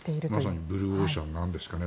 まさにブルーオーシャンなんですかね。